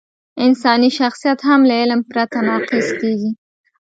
انساني شخصیت هم له علم پرته ناقص کېږي.